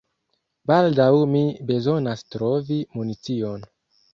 Baldaŭ mi bezonas trovi municion.